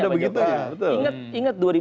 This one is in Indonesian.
ada begitunya pak jokowi